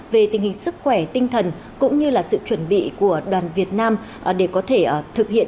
về tình hình sức khỏe tinh thần cũng như là sự chuẩn bị của đoàn việt nam để có thể thực hiện